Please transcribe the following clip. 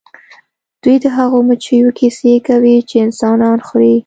دوی د هغو مچیو کیسې کوي چې انسانان خوري